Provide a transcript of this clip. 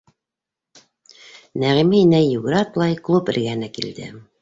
Нәғимә инәй йүгерә-атлай клуб эргәһенә килде.